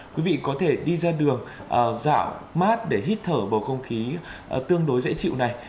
quý vị có thể đi ra đường dạo mát để hít thở bầu không khí tương đối dễ chịu này